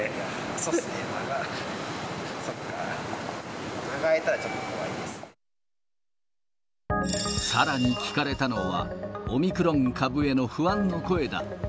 そうですね、そっか、さらに聞かれたのは、オミクロン株への不安の声だ。